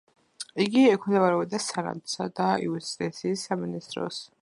იგი ექვემდებარებოდა სენატსა და იუსტიციის სამინისტროს.